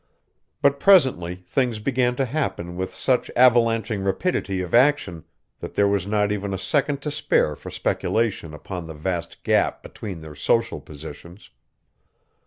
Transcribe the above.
But presently things began to happen with such avalanching rapidity of action that there was not even a second to spare for speculation upon the vast gap between their social positions.